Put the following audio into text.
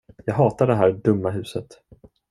Jag hatar det här dumma huset.